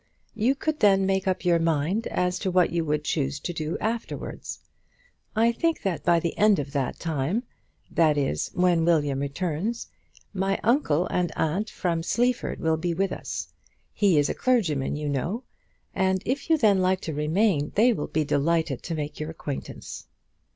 You could then make up your mind as to what you would choose to do afterwards. I think that by the end of that time, that is, when William returns, my uncle and aunt from Sleaford will be with us. He is a clergyman, you know; and if you then like to remain, they will be delighted to make your acquaintance.